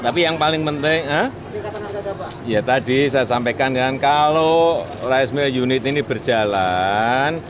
tapi yang paling penting ya tadi saya sampaikan kan kalau rice mill unit ini berjalan